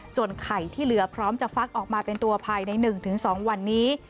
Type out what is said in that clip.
ส่วนไข่ที่เหลือพร้อมจะฟักออกมาเป็นตัวภายใน๑๒วันนี้